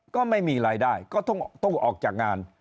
ก็ไม่มีรายได้ก็ต้องออกจากงาน